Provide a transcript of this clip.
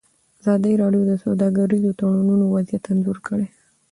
ازادي راډیو د سوداګریز تړونونه وضعیت انځور کړی.